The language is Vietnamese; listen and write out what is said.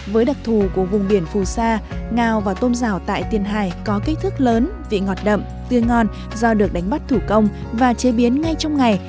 với đặc thù của vùng biển phù sa ngào và tôm rào tại tiền hải có kích thước lớn vị ngọt đậm tươi ngon do được đánh bắt thủ công và chế biến ngay trong ngày